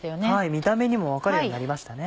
見た目にも分かるようになりましたね。